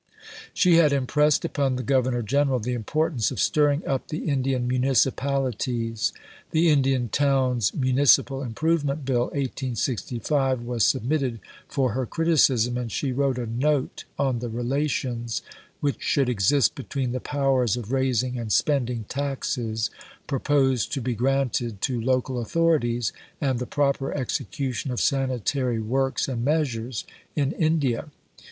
She had impressed upon the Governor General the importance of stirring up the Indian municipalities. The Indian Towns Municipal Improvement Bill (1865) was submitted for her criticism, and she wrote a "Note on the relations which should exist between the powers of raising and spending taxes proposed to be granted to local authorities, and the proper execution of sanitary works and measures in India."